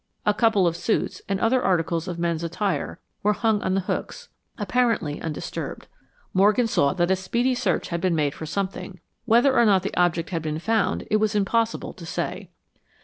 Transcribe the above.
A couple of suits, and other articles of men's attire, were hung on the hooks, apparently undisturbed. Morgan saw that a speedy search had been made for something. Whether or not the object had been found it was impossible to say.